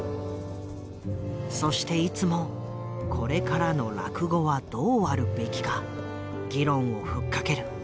そしていつもこれからの落語はどうあるべきか議論をふっかける。